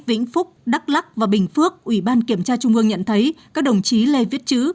vĩnh phúc đắk lắc và bình phước ủy ban kiểm tra trung ương nhận thấy các đồng chí lê viết chứ